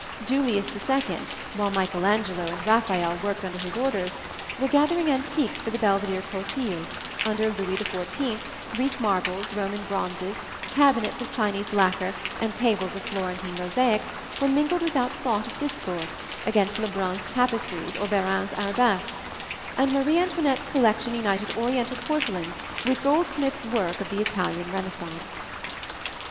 Julius II, while Michel Angelo and Raphael worked under his orders, was gathering antiques for the Belvedere cortile; under Louis XIV, Greek marbles, Roman bronzes, cabinets of Chinese lacquer and tables of Florentine mosaic were mingled without thought of discord against Lebrun's tapestries or Bérain's arabesques; and Marie Antoinette's collection united Oriental porcelains with goldsmiths' work of the Italian Renaissance.